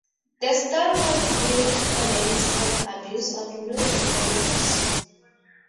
The story contained comments on the abuse of new technologies.